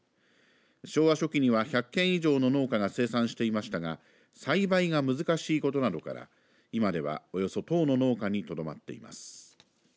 昭和初期には１００軒以上の農家が生産していましたが栽培が難しいことなどから今ではおよそ１０の農家にとどまっています。